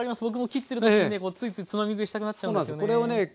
僕も切ってる時にねついついつまみ食いしたくなっちゃうんですよね。